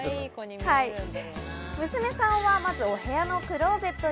娘さんはまずお部屋のクローゼットに。